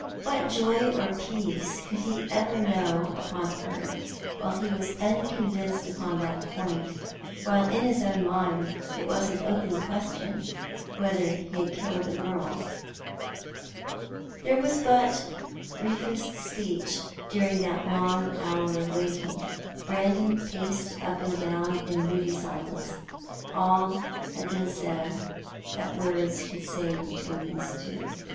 What joy or peace could he ever know upon earth while he was unconvinced upon that point, while in his own mind it was an open question whether he had killed the girl ? There was but briefest speech during that long hour of waiting. Brandon paced up and down in moody silence. All had been said that words could say between those two.